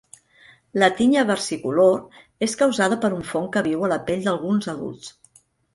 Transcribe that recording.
La tinya versicolor és causada per un fong que viu a la pell d'alguns adults.